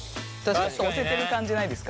押せてる感じないですか？